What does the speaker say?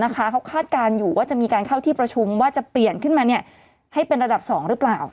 เขาคาดการณ์อยู่ว่าจะมีการเข้าที่ประชุมว่าจะเปลี่ยนขึ้นมาให้เป็นระดับ๒หรือเปล่า